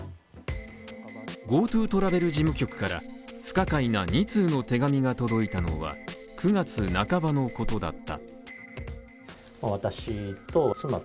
ＧｏＴｏトラベル事務局から不可解な２通の手紙が届いたのは９月半ばのことだった。